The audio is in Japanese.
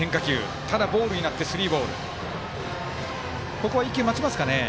ここは一球、待ちますかね。